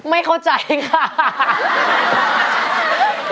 ไม่เข้าใจค่ะ